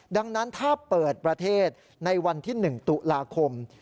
ดังนั้นถ้าเปิดประเทศในวันที่๑ตุลาคม